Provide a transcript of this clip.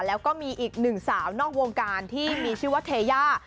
แล้วก็มีอีกหนึ่งสาวนอกวงการที่มีชื่อว่าเทย่า